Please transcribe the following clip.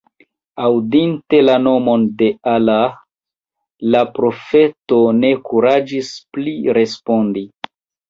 Aŭdinte la nomon de Allah, la profeto ne kuraĝis pli respondi.